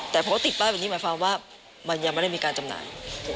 แต่พอเขาติดป้ายแบบนี้หมายความว่ามันยังไม่ได้มีการจำหน่าย